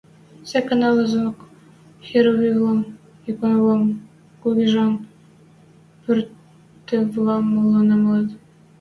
Сек анзылнок херувивлӓм, иконвлӓм, кугижӓн портретвлӓм моло намалыт.